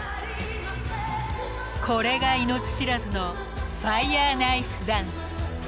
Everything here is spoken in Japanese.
［これが命知らずのファイヤーナイフ・ダンス］